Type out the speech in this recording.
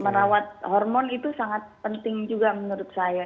merawat hormon itu sangat penting juga menurut saya